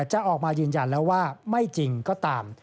จะออกมายืนยันแล้วว่าไม่จริงก็ตาม